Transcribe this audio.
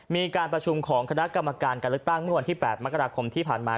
มีการประชุมของคณะกรรมการการเลือกตั้งเมื่อวันที่๘มกราคมที่ผ่านมา